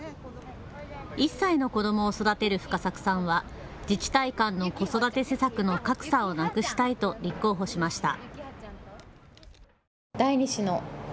１歳の子どもを育てる深作さんは自治体間の子育て施策の格差をなくしたいと立候補しました。